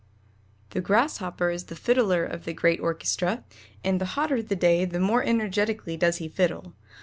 The Grasshopper is the fiddler of the great orchestra, and the hotter the day the more energetically does he fiddle.